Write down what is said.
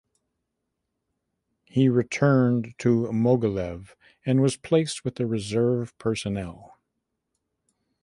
He returned to Mogilev and was placed with the reserve personnel.